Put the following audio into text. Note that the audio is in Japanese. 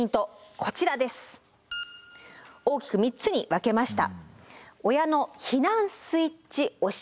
大きく３つに分けました。